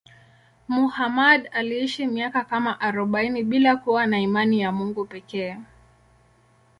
Muhammad aliishi miaka kama arobaini bila kuwa na imani ya Mungu pekee.